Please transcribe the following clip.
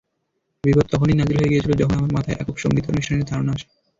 বিপদ তখনই নাজিল হয়ে গিয়েছিল, যখন আমার মাথায় একক সঙ্গীতানুষ্ঠানের ধারণা আসে।